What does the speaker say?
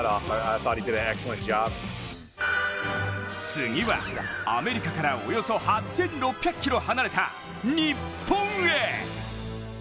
次はアメリカからおよそ８６００ｋｍ離れた、日本へ。